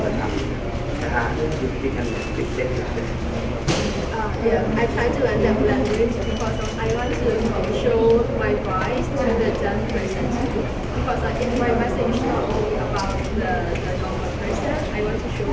ว่าการเรียนประทับสนุน